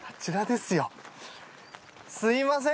すみません。